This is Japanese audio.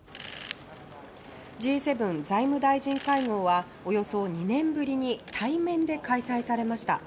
Ｇ７財務大臣会合はおよそ２年ぶりに対面で開催されました。